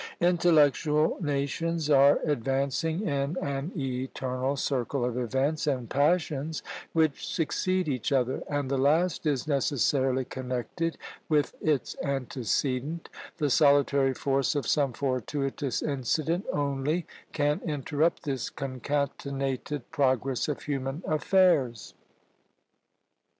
Intellectual nations are advancing in an eternal circle of events and passions which succeed each other, and the last is necessarily connected with its antecedent; the solitary force of some fortuitous incident only can interrupt this concatenated progress of human affairs.